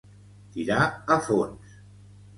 Tirar a fons.